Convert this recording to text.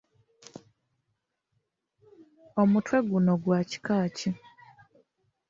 Omutwe guno gwa kika ki?